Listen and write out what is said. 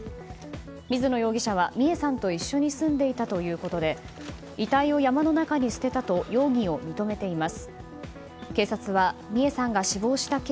水野容疑者は、美恵さんと一緒に住んでいたということで遺体を山の中に捨てたと容疑を認めています。